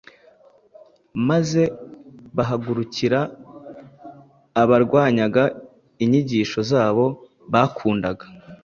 maze bahagurukira abarwanyaga inyigisho zabo bakundaga.